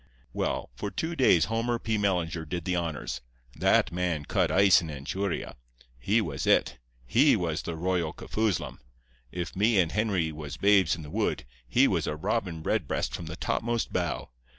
"Well, for two days Homer P. Mellinger did the honors. That man cut ice in Anchuria. He was It. He was the Royal Kafoozlum. If me and Henry was babes in the wood, he was a Robin Redbreast from the topmost bough.